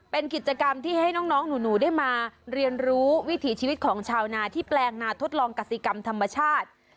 เป็นกิจกรรมที่ให้น้องหนูได้มาเรียนรู้วิถีชีวิตของชาวนาที่แปลงนาทดลองกสิกรรมธรรมชาติ